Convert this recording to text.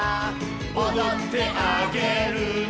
「おどってあげるね」